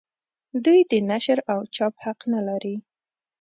دوی د نشر او چاپ حق نه لري.